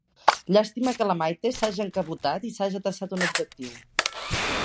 Llàstima que la Maite s'haja encabotat i s'haja traçat un objectiu.